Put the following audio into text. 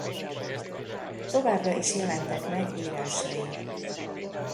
Továbbra is jelentek meg írásai.